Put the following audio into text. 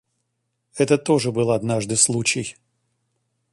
Это тоже был однажды случай.